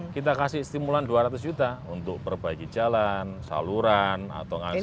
kita kasih stimulan dua ratus juta untuk perbaiki jalan saluran atau ngambil